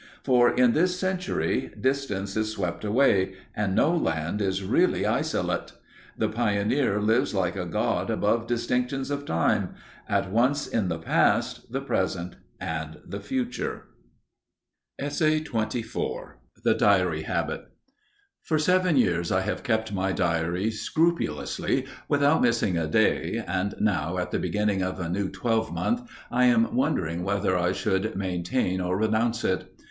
For, in this century, distance is swept away and no land is really isolate. The pioneer lives like a god above distinctions of time, at once in the past, the present and the future. *The Diary Habit* For seven years I have kept my diary scrupulously, without missing a day, and now, at the beginning of a new twelvemonth, I am wondering whether I should maintain or renounce it.